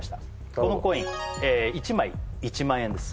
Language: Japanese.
このコイン１枚１万円です